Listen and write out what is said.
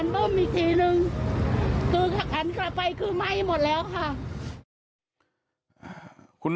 สวยชีวิตทั้งคู่ก็ออกมาไม่ได้อีกเลยครับ